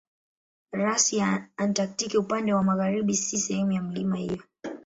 Rasi ya Antaktiki upande wa magharibi si sehemu ya milima hiyo.